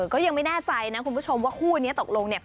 ก็ยังไม่แน่ใจนะคุณผู้ชมว่าคู่นี้ตกลง